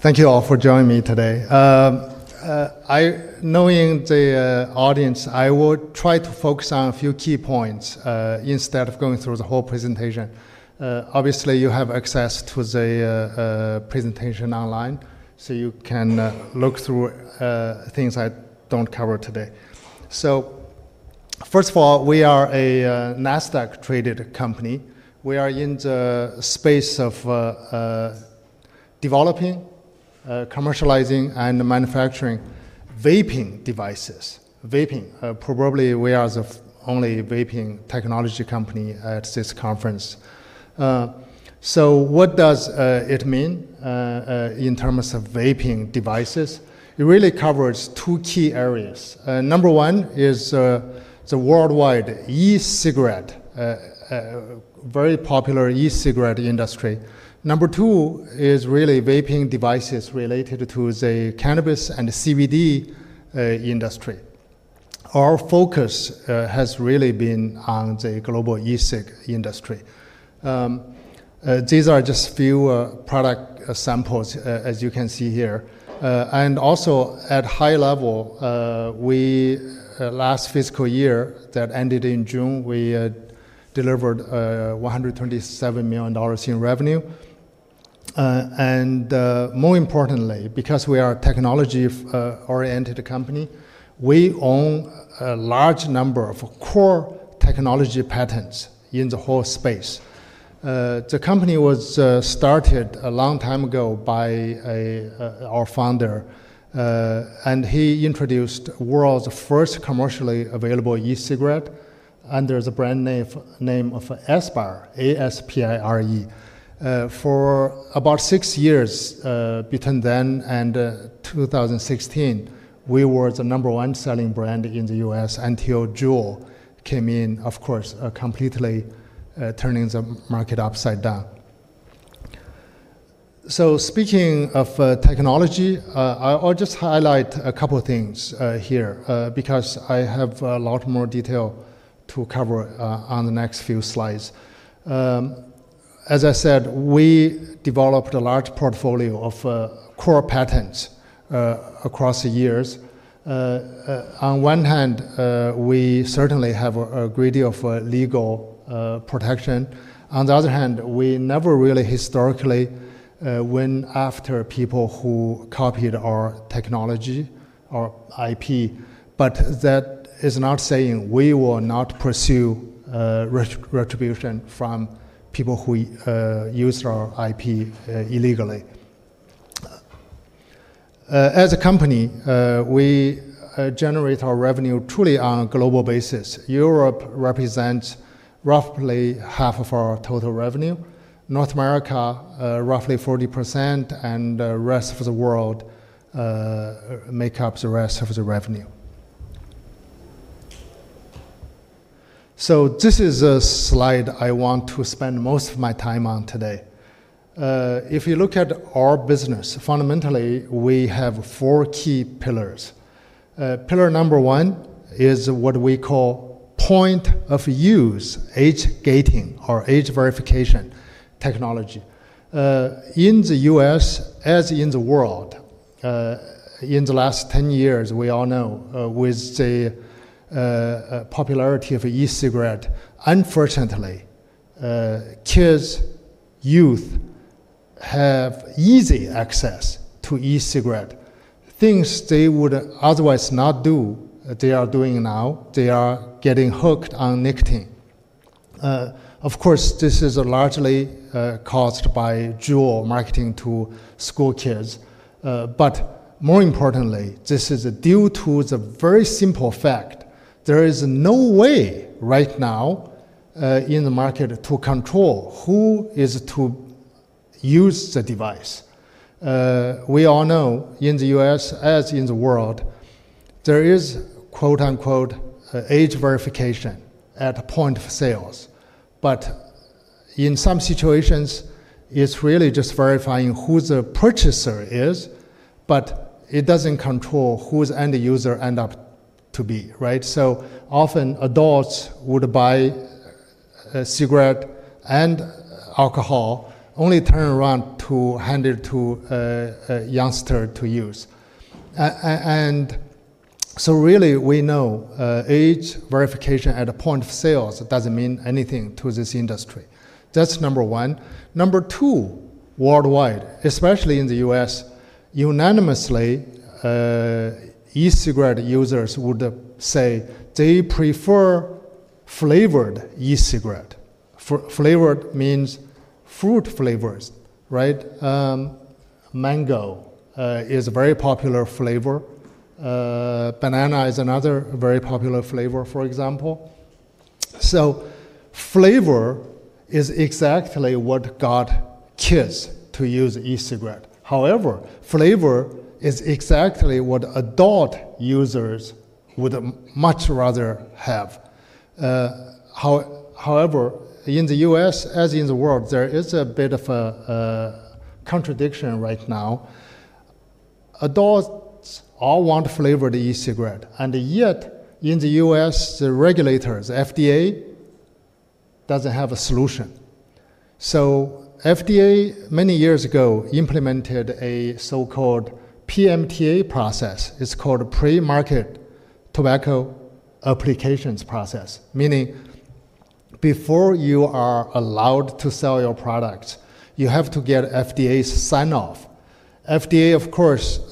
Thank you all for joining me today. Knowing the audience, I will try to focus on a few key points, instead of going through the whole presentation. Obviously, you have access to the presentation online, so you can look through things I don't cover today. First of all, we are a NASDAQ-traded company. We are in the space of developing, commercializing, and manufacturing vaping devices. Vaping, probably we are the only vaping technology company at this conference. What does it mean, in terms of vaping devices? It really covers two key areas. Number one is the worldwide e-cigarette, very popular e-cigarette industry. Number two is really vaping devices related to the cannabis and CBD industry. Our focus has really been on the global e-cig industry. These are just a few product samples, as you can see here. Also, at a high level, we, last fiscal year that ended in June, we delivered $127 million in revenue. More importantly, because we are a technology-oriented company, we own a large number of core technology patents in the whole space. The company was started a long time ago by our founder, and he introduced the world's first commercially available e-cigarette under the brand name of Aspire, A-S-P-I-R-E. For about six years, between then and 2016, we were the number one selling brand in the U.S. until Juul came in, of course, completely turning the market upside down. Speaking of technology, I'll just highlight a couple of things here, because I have a lot more detail to cover on the next few slides. As I said, we developed a large portfolio of core patents across the years. On one hand, we certainly have a great deal of legal protection. On the other hand, we never really historically went after people who copied our technology, our IP. That is not saying we will not pursue retribution from people who used our IP illegally. As a company, we generate our revenue truly on a global basis. Europe represents roughly half of our total revenue. North America, roughly 40%, and the rest of the world make up the rest of the revenue. This is a slide I want to spend most of my time on today. If you look at our business, fundamentally, we have four key pillars. Pillar number one is what we call point-of-use age-gating or age-verification technology. In the U.S., as in the world, in the last 10 years, we all know, with the popularity of e-cigarette, unfortunately, kids, youth have easy access to e-cigarette. Things they would otherwise not do, they are doing now. They are getting hooked on nicotine. Of course, this is largely caused by Juul marketing to school kids. More importantly, this is due to the very simple fact there is no way right now in the market to control who is to use the device. We all know in the U.S., as in the world, there is, quote-unquote, "age verification" at the point of sales. In some situations, it's really just verifying who the purchaser is, but it doesn't control who the end user ends up to be, right? Often, adults would buy a cigarette and alcohol, only to turn around to hand it to a youngster to use. Really, we know age verification at the point of sales doesn't mean anything to this industry. That's number one. Number two, worldwide, especially in the U.S., unanimously, e-cigarette users would say they prefer flavored e-cigarette. Flavored means fruit flavors, right? Mango is a very popular flavor. Banana is another very popular flavor, for example. Flavor is exactly what got kids to use e-cigarette. However, flavor is exactly what adult users would much rather have. However, in the U.S., as in the world, there is a bit of a contradiction right now. Adults all want flavored e-cigarette. Yet, in the U.S., the regulators, FDA, doesn't have a solution. FDA, many years ago, implemented a so-called PMTA process. It's called pre-market tobacco applications process, meaning before you are allowed to sell your products, you have to get FDA's sign-off. FDA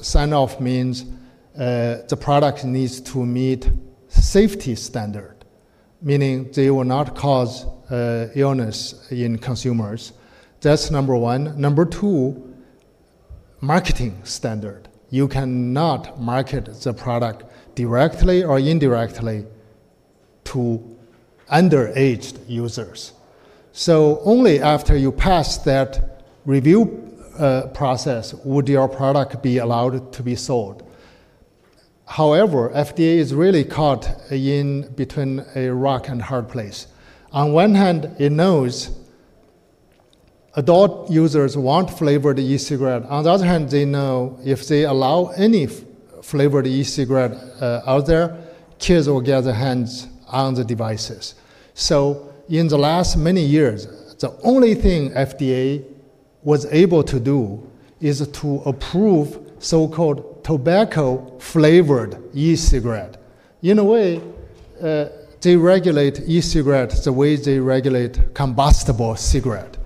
sign-off means the product needs to meet a safety standard, meaning they will not cause illness in consumers. That's number one. Number two, marketing standard. You cannot market the product directly or indirectly to underaged users. Only after you pass that review process would your product be allowed to be sold. However, FDA is really caught in between a rock and a hard place. On one hand, it knows adult users want flavored e-cigarette. On the other hand, they know if they allow any flavored e-cigarette out there, kids will get their hands on the devices. In the last many years, the only thing FDA was able to do is to approve so-called tobacco-flavored e-cigarette. In a way, they regulate e-cigarette the way they regulate combustible cigarette,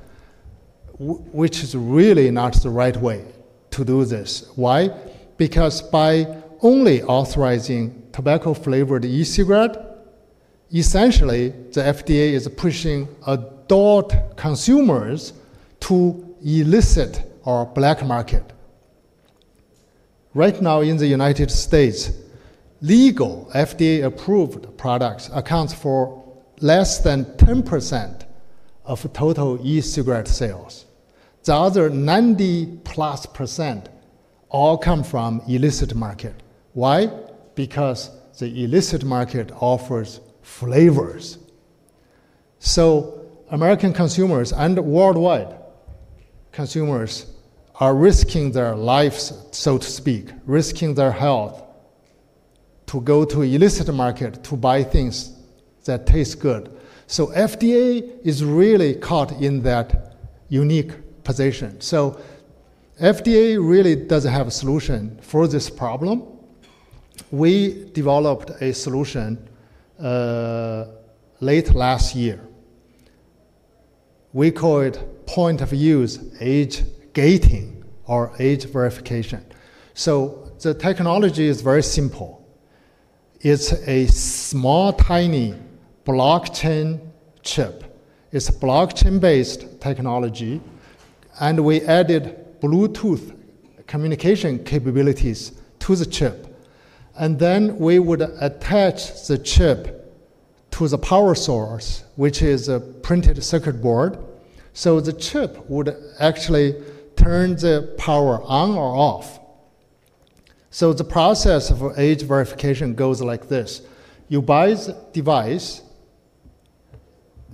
which is really not the right way to do this. Why? Because by only authorizing tobacco-flavored e-cigarette, essentially, the FDA is pushing adult consumers to elicit our black market. Right now, in the U.S., legal FDA-approved products account for less than 10% of total e-cigarette sales. The other 90+% all come from the illicit market. Why? Because the illicit market offers flavors. American consumers and worldwide consumers are risking their lives, so to speak, risking their health to go to the illicit market to buy things that taste good. FDA is really caught in that unique position. FDA really doesn't have a solution for this problem. We developed a solution late last year. We call it point-of-use age-gating or age verification. The technology is very simple. It's a small, tiny blockchain chip. It's a blockchain-based technology, and we added Bluetooth communication capabilities to the chip. We would attach the chip to the power source, which is a printed circuit board. The chip would actually turn the power on or off. The process for age verification goes like this. You buy the device.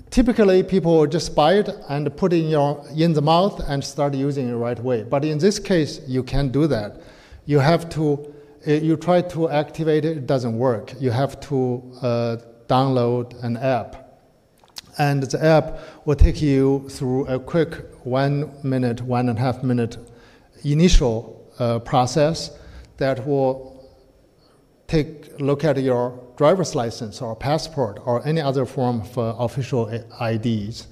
Typically, people will just buy it and put it in your mouth and start using it right away. In this case, you can't do that. You try to activate it. It doesn't work. You have to download an app. The app will take you through a quick one-minute, one-and-a-half-minute initial process that will take a look at your driver's license or passport or any other form of official IDs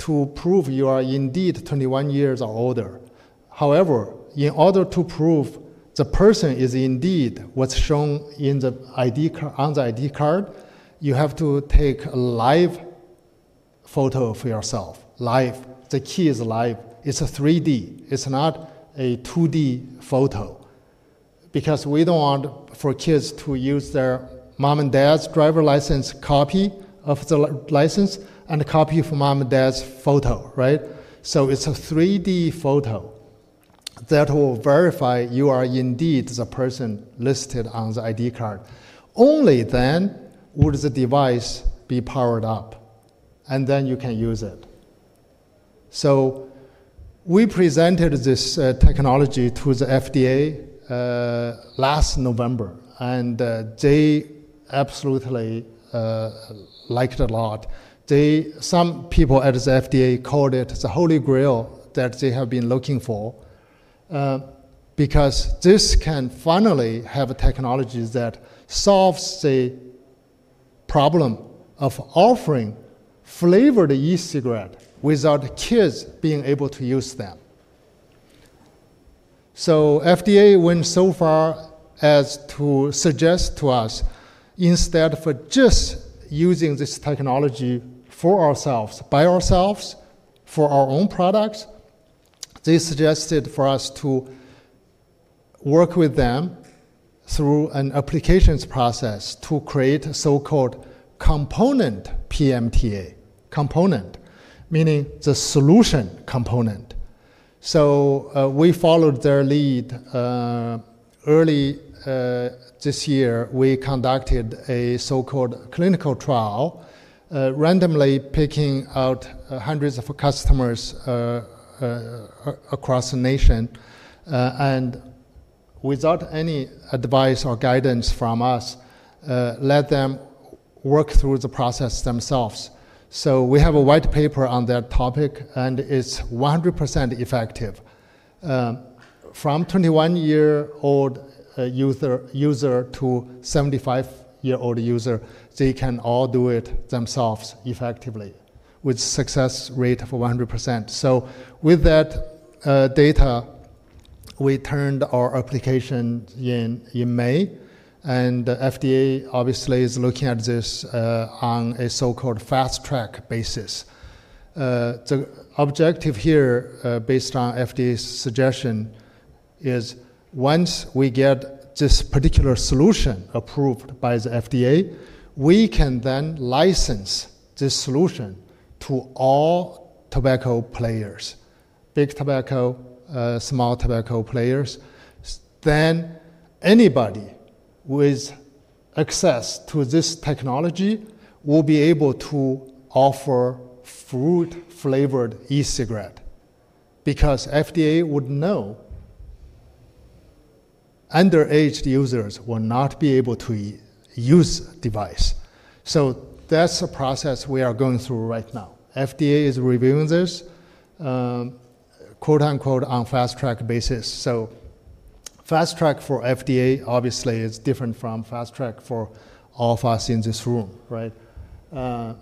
to prove you are indeed 21 years or older. However, in order to prove the person is indeed what's shown on the ID card, you have to take a live photo of yourself, live. The key is live. It's a 3D. It's not a 2D photo because we don't want for kids to use their mom and dad's driver's license, copy of the license, and a copy of mom and dad's photo, right? It's a 3D photo that will verify you are indeed the person listed on the ID card. Only then would the device be powered up, and then you can use it. We presented this technology to the FDA last November, and they absolutely liked it a lot. Some people at the FDA called it the holy grail that they have been looking for, because this can finally have a technology that solves the problem of offering flavored e-cigarettes without kids being able to use them. FDA went so far as to suggest to us, instead of just using this technology for ourselves, by ourselves, for our own products, they suggested for us to work with them through an applications process to create a so-called component PMTA, component, meaning the solution component. We followed their lead. Early this year, we conducted a so-called clinical trial, randomly picking out hundreds of customers across the nation, and without any advice or guidance from us, let them work through the process themselves. We have a white paper on that topic, and it's 100% effective. From 21-year-old user-75-year-old user, they can all do it themselves effectively with a success rate of 100%. With that data, we turned our application in in May, and the FDA, obviously, is looking at this on a so-called fast-track basis. The objective here, based on FDA's suggestion, is once we get this particular solution approved by the FDA, we can then license this solution to all tobacco players, big tobacco, small tobacco players. Anybody with access to this technology will be able to offer fruit-flavored e-cigarette because FDA would know underaged users will not be able to use a device. That's the process we are going through right now. FDA is reviewing this, quote-unquote, "on a fast-track basis." Fast-track for FDA, obviously, is different from fast-track for all of us in this room, right? A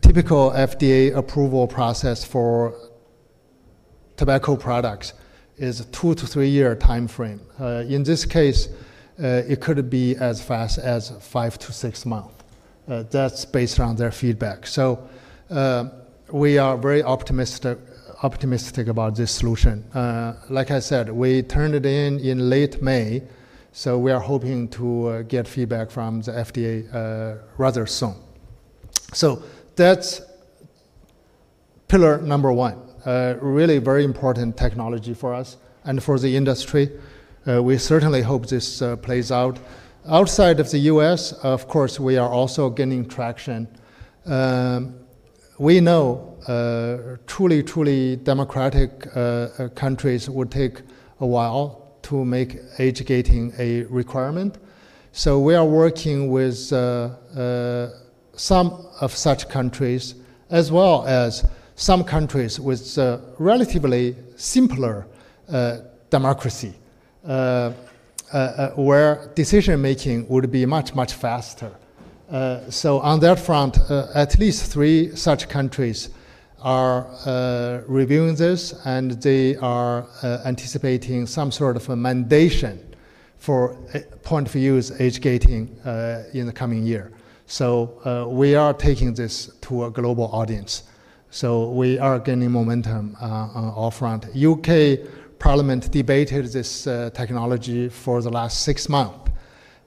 typical FDA approval process for tobacco products is a two to three-year time frame. In this case, it could be as fast as five to six months. That's based on their feedback. We are very optimistic about this solution. Like I said, we turned it in in late May, so we are hoping to get feedback from the FDA rather soon. That's pillar number one. Really very important technology for us and for the industry. We certainly hope this plays out. Outside of the U.S., of course, we are also getting traction. We know truly, truly democratic countries would take a while to make age-gating a requirement. We are working with some of such countries as well as some countries with relatively simpler democracy, where decision-making would be much, much faster. On that front, at least three such countries are reviewing this, and they are anticipating some sort of a mandation for point-of-use age-gating in the coming year. We are taking this to a global audience. We are gaining momentum on all fronts. U.K. Parliament debated this technology for the last six months.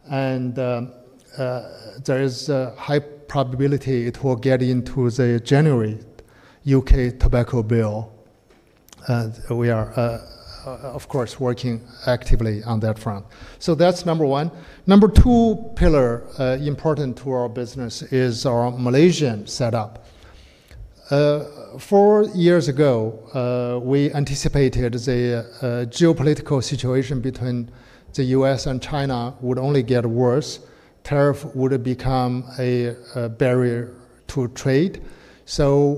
There is a high probability it will get into the January U.K. tobacco bill. We are, of course, working actively on that front. That's number one. Number two pillar, important to our business is our Malaysian setup. Four years ago, we anticipated the geopolitical situation between the U.S. and China would only get worse. Tariff would become a barrier to trade.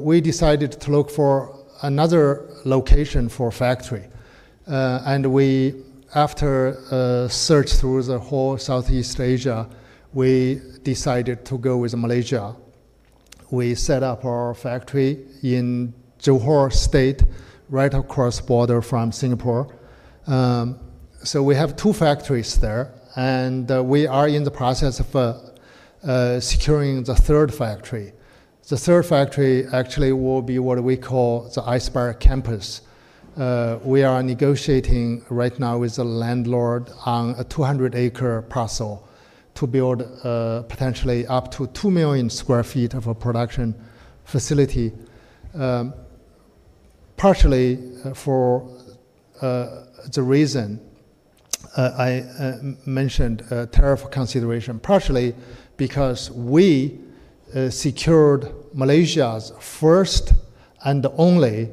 We decided to look for another location for a factory. After searching through the whole Southeast Asia, we decided to go with Malaysia. We set up our factory in Johor, Malaysia, right across the border from Singapore. We have two factories there, and we are in the process of securing the third factory. The third factory actually will be what we call the Aspire Campus. We are negotiating right now with the landlord on a 200-acre parcel to build potentially up to 2 million sq ft of a production facility, partially for the reason I mentioned, tariff consideration, partially because we secured Malaysia's first and only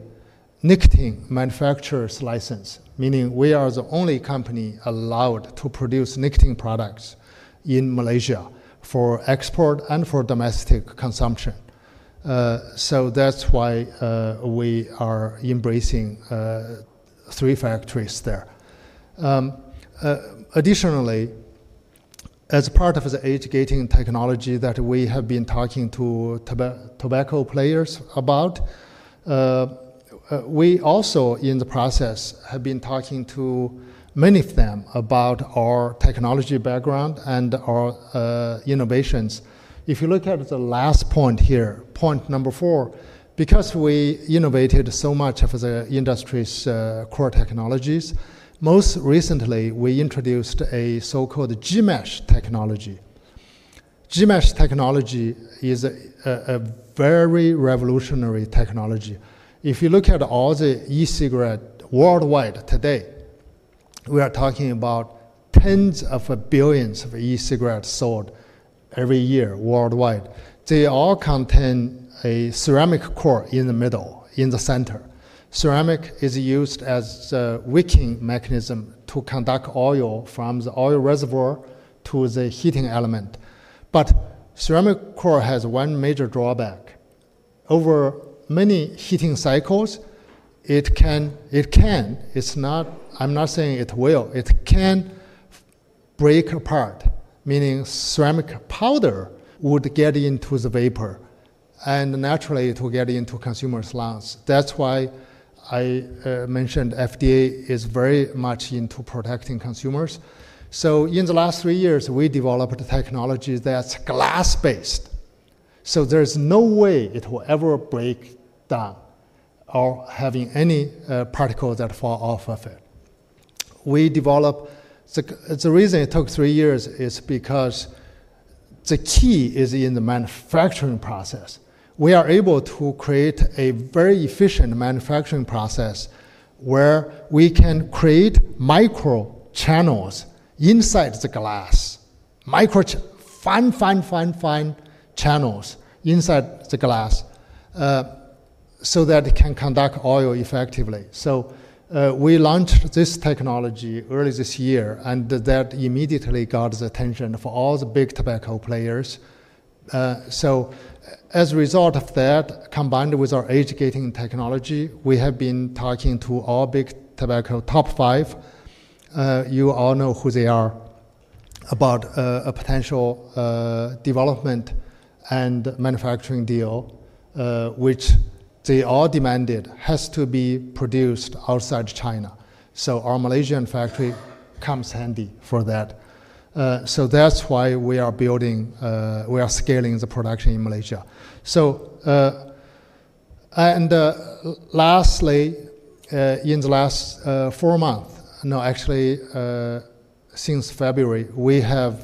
nicotine manufacturing license, meaning we are the only company allowed to produce nicotine products in Malaysia for export and for domestic consumption. That's why we are embracing three factories there. Additionally, as part of the age-gating technology that we have been talking to tobacco players about, we also, in the process, have been talking to many of them about our technology background and our innovations. If you look at the last point here, point number four, because we innovated so much of the industry's core technologies, most recently, we introduced a so-called GMESH technology. GMESH technology is a very revolutionary technology. If you look at all the e-cigarettes worldwide today, we are talking about tens of billions of e-cigarettes sold every year worldwide. They all contain a ceramic core in the center. Ceramic is used as the wicking mechanism to conduct oil from the oil reservoir to the heating element. Ceramic core has one major drawback. Over many heating cycles, it can, it's not, I'm not saying it will, it can break apart, meaning ceramic powder would get into the vapor, and naturally, it will get into consumers' lungs. That's why I mentioned FDA is very much into protecting consumers. In the last three years, we developed a technology that's glass-based. There's no way it will ever break down or have any particles that fall off of it. We developed the, the reason it took three years is because the key is in the manufacturing process. We are able to create a very efficient manufacturing process where we can create microchannels inside the glass, microchannel, fine, fine, fine, fine channels inside the glass, so that it can conduct oil effectively. We launched this technology early this year, and that immediately got the attention of all the big tobacco players. As a result of that, combined with our age-gating technology, we have been talking to all big tobacco top five. You all know who they are, about a potential development and manufacturing deal, which they all demanded has to be produced outside China. Our Malaysian factory comes handy for that. That's why we are building, we are scaling the production in Malaysia. Lastly, in the last four months, no, actually, since February, we have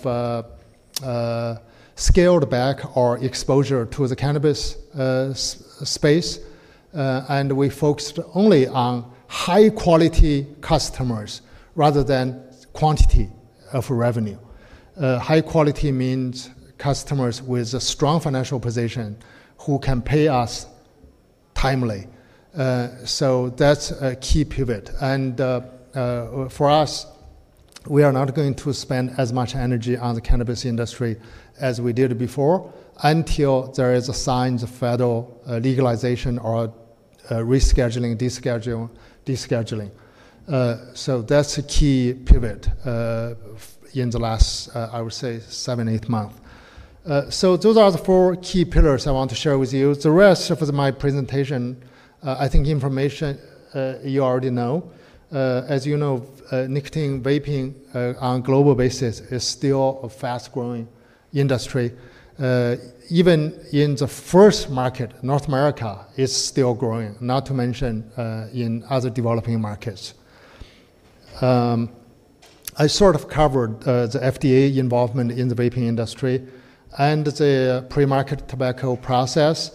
scaled back our exposure to the cannabis space, and we focused only on high-quality customers rather than quantity of revenue. High-quality means customers with a strong financial position who can pay us timely. That's a key pivot. For us, we are not going to spend as much energy on the cannabis industry as we did before until there is a signed federal legalization or rescheduling, de-scheduling. That's a key pivot in the last, I would say, seven, eight months. Those are the four key pillars I want to share with you. The rest of my presentation, I think information, you already know. As you know, nicotine vaping on a global basis is still a fast-growing industry. Even in the first market, North America, it's still growing, not to mention in other developing markets. I sort of covered the FDA involvement in the vaping industry and the pre-market tobacco process.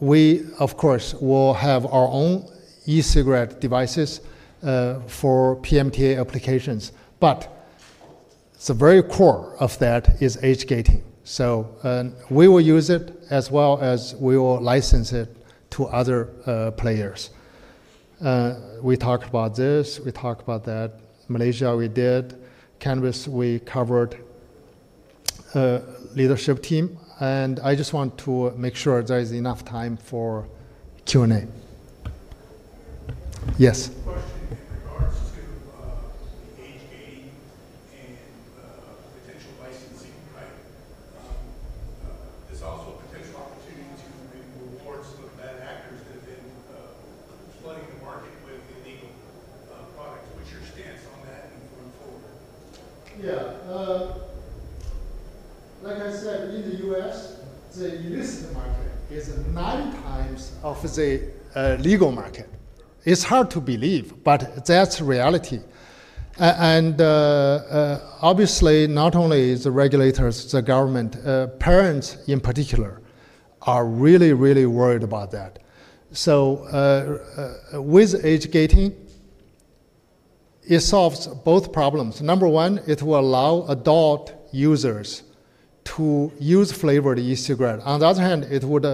We, of course, will have our own e-cigarette devices for PMTA applications. The very core of that is age-gating. We will use it as well as we will license it to other players. We talked about this. We talked about that. Malaysia, we did. Cannabis, we covered. Leadership team, and I just want to make sure there is enough time for Q&A. Yes? It is gained in, potential licensing, right? It's also potential opportunities to maybe move towards some of the bad actors that have been flooding the market with illegal products. Have a shared stance on that? Yeah. Like I said, in the U.S., the illicit market is nine times the legal market. It's hard to believe, but that's reality. Obviously, not only the regulators, the government, parents in particular, are really, really worried about that. With age-gating, it solves both problems. Number one, it will allow adult users to use flavored e-cigarette. On the other hand, it would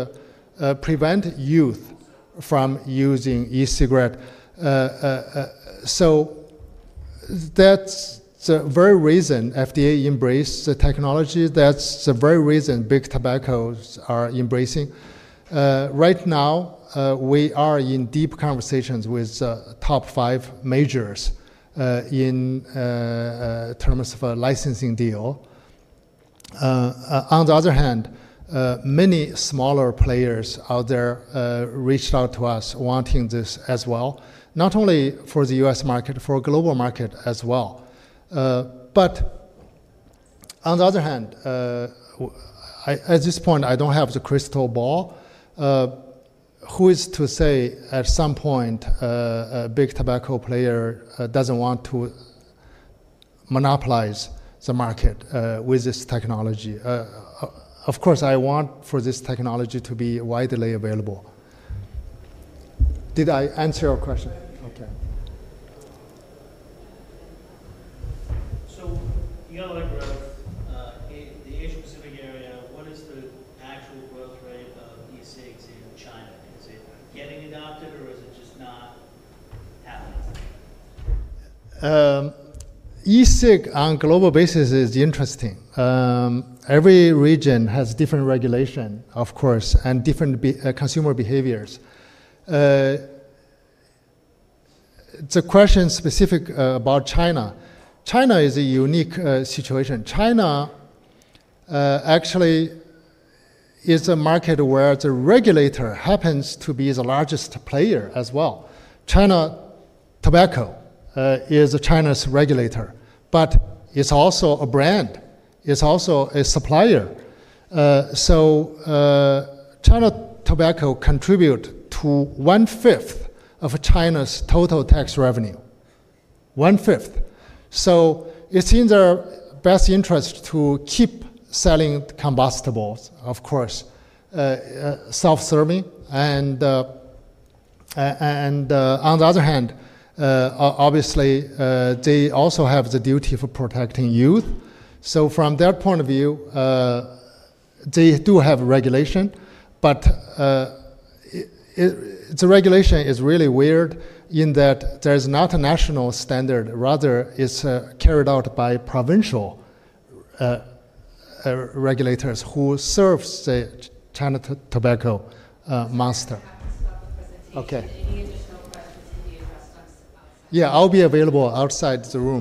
prevent youth from using e-cigarette. That's the very reason FDA embraced the technology. That's the very reason big tobaccos are embracing. Right now, we are in deep conversations with the top five majors, in terms of a licensing deal. On the other hand, many smaller players out there reached out to us wanting this as well, not only for the U.S. market, for a global market as well. On the other hand, at this point, I don't have the crystal ball. Who is to say at some point, a big tobacco player doesn't want to monopolize the market with this technology? Of course, I want for this technology to be widely available. Did I answer your question? Okay. The growth, the Asia-Pacific area, what is the actual growth rate of e-cigs in China? Is it getting adopted, or is it just not? E-cig on a global basis is interesting. Every region has different regulation, of course, and different consumer behaviors. The question is specific, about China. China is a unique situation. China actually is a market where the regulator happens to be the largest player as well. China Tobacco is China's regulator, but it's also a brand. It's also a supplier. China Tobacco contributes to 1/5 of China's total tax revenue, 1/5. It's in their best interest to keep selling combustibles, of course, self-serving. On the other hand, obviously, they also have the duty for protecting youth. From their point of view, they do have regulation, but the regulation is really weird in that there's not a national standard. Rather, it's carried out by provincial regulators who serve the China Tobacco monster. Okay. Yeah, I'll be available outside the room.